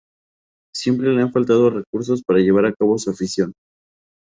Siempre le han faltado recursos para llevar a cabo su afición.